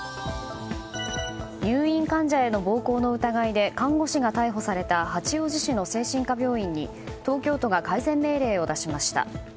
入院患者への暴行の疑いで看護師が逮捕された八王子市の精神科病院に東京都が改善命令を出しました。